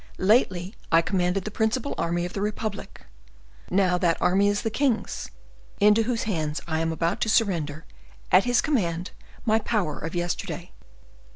Lately I commanded the principal army of the republic; now that army is the king's, into whose hands I am about to surrender, at his command, my power of yesterday."